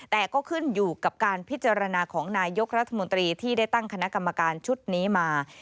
แต่ก็ขึ้นอยู่กับการพิจารณาของนายกรัฐมนตรีที่ได้ตั้งคณะกรรมการชุดนี้มา